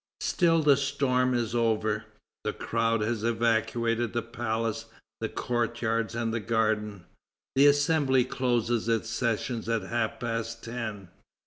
Still, the storm is over. The crowd has evacuated the palace, the courtyards, and the garden. The Assembly closes its sessions at half past ten.